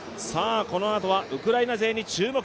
このあとはウクライナ勢に注目。